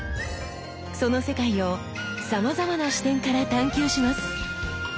その世界をさまざまな視点から探究します。